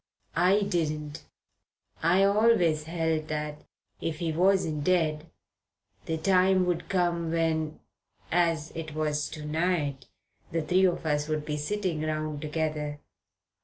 I didn't. I always held that, if he wasn't dead, the time would come when, as it was to night, the three of us would be sitting round together.